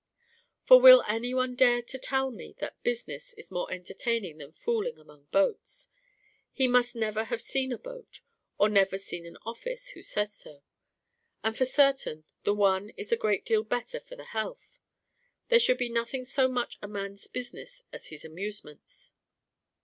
For will any one dare to tell me that business is more entertaining than fooling among boats? He must have never seen a boat, or never seen an office, who says so. And for certain the one is a great deal better for the health. There should be nothing so much a man's business as his amusements.